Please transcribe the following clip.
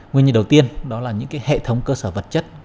nguyên nhân đầu tiên đó là những hệ thống cơ sở vật chất